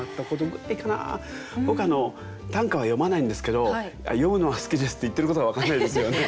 僕あの短歌は詠まないんですけど読むのは好きですって言ってることが分からないですよね。